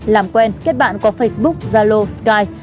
làm quen kết bạn qua facebook zalo skype